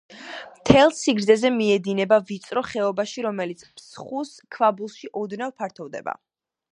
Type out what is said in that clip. მთელ სიგრძეზე მიედინება ვიწრო ხეობაში, რომელიც ფსხუს ქვაბულში ოდნავ ფართოვდება.